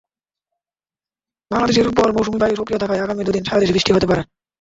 বাংলাদেশের ওপর মৌসুমি বায়ু সক্রিয় থাকায় আগামী দুদিন সারা দেশে বৃষ্টি হতে পারে।